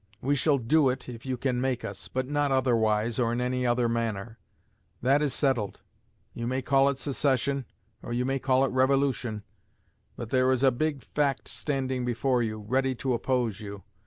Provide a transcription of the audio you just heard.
We shall do it, if you can make us; but not otherwise, or in any other manner. That is settled. You may call it secession, or you may call it revolution; but there is a big fact standing before you, ready to oppose you.